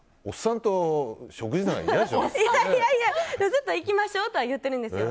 ずっと行きましょうとは言ってるんですよ。